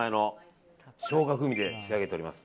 ショウガ風味で仕上げております。